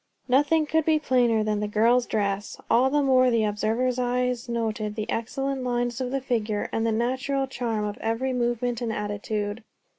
Nothing could be plainer than the girl's dress; all the more the observer's eye noted the excellent lines of the figure and the natural charm of every movement and attitude.